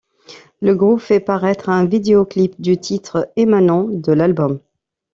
Le groupe fait paraître un vidéoclip du titre ' émanant de l'album '.